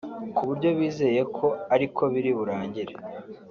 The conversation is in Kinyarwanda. ku buryo bizeye ko ariko biri burangire